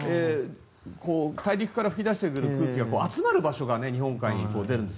大陸から噴き出してくる空気が集まる場所があるんです。